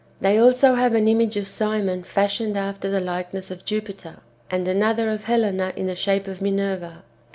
They also have an image of Simon fashioned after the likeness of Jupiter, and another of Helena in the shape of Minerva; and 1 Matt, xviii.